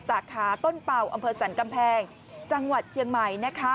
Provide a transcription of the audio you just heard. สาขาต้นเป่าอำเภอสรรกำแพงจังหวัดเชียงใหม่นะคะ